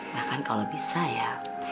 bahkan kalau bisa ya